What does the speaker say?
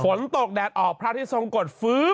ฝนตกแดดออกพระอาทิตย์ทรงกฎฟื้อ